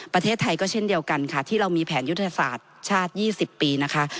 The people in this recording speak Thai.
ประเทศไทยก็เช่นเดียวกันค่ะที่เรามีแผนยุทธศาสตร์ชาติ๒๐ปีนะคะ